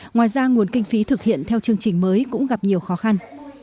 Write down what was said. ngoài ra nguồn kinh phí thực hiện theo chương trình mới cũng gặp nhiều khó khăn